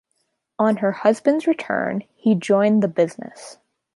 On her husband's return, he joined the business.